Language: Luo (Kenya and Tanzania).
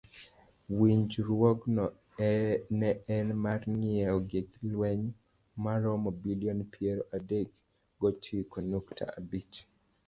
Winjruogno ne en mar ngiewo gik lweny maromo bilion piero adek gochiko nukta abich.